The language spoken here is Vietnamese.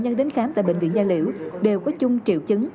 nhân đến khám tại bệnh viện gia liễu đều có chung triệu chứng